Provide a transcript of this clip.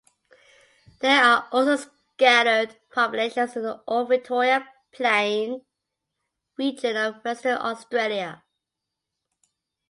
There are also scattered populations in the Ord Victoria Plain region of Western Australia.